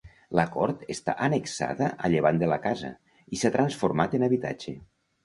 La cort està annexada a llevant de la casa i s'ha transformat en habitatge.